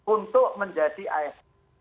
untuk menjadi asp